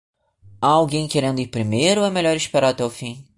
Há alguém querendo ir primeiro ou é melhor esperar até o fim?